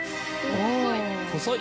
細い！